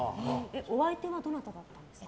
お相手はどなただったんですか？